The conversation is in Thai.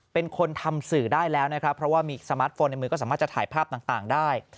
เป็นคนทำสื่อได้แล้วนะครับเพราะว่ามีสมาร์ทโฟนในมือก็สามารถจะถ่ายภาพต่างได้